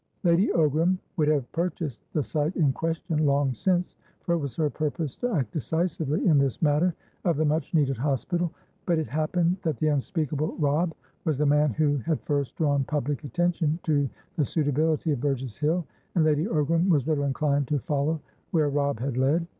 Lady Ogram would have purchased the site in question long since, for it was her purpose to act decisively in this matter of the much needed hospital, but it happened that the unspeakable Robb was the man who had first drawn public attention to the suitability of Burgess Hill, and Lady Ogram was little inclined to follow where Robb had led.